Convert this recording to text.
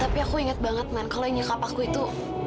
tapi aku ingat banget man kalau yang nyekap aku itu